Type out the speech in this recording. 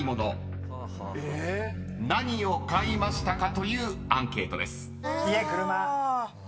［何を買いましたか？というアンケートです］